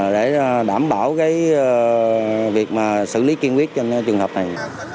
để đảm bảo cái việc mà xử lý kiên quyết trên trường hợp này